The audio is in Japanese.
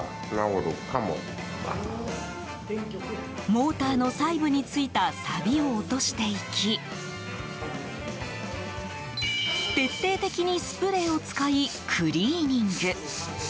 モーターの細部についたさびを落としていき徹底的にスプレーを使いクリーニング。